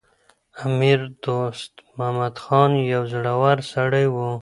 امیر دوست محمد خان یو زړور سړی و.